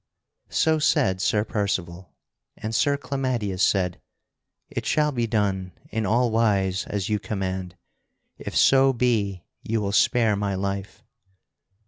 So said Sir Percival, and Sir Clamadius said: "It shall be done in all wise as you command, if so be you will spare my life."